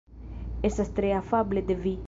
Estas tre afable de vi.